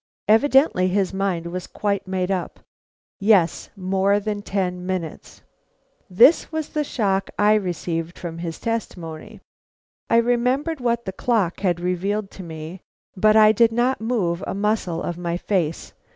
Evidently his mind was quite made up. "Yes; more than ten minutes." This was the shock I received from his testimony. I remembered what the clock had revealed to me, but I did not move a muscle of my face.